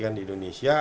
yang di indonesia